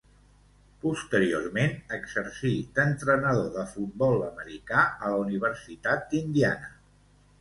Posteriorment exercí d'entrenador de futbol americà a la Universitat d'Indiana.